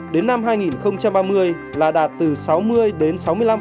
đến năm hai nghìn ba mươi là đạt từ sáu mươi đến sáu mươi năm